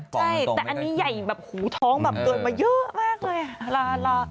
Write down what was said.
ใช่แต่อันนี้ใหญ่แบบหูท้องแบบเดินมาเยอะมากเลย